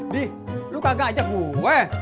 di lu kagak ajak gue